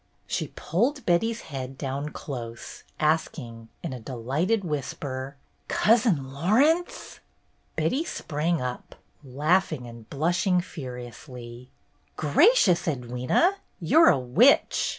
She pulled Betty's head down close, asking, in a delighted whisper: "Cousin Laurence?" Betty sprang up, laughing and blushing furiously. "Gracious, Edwyna, you're a witch!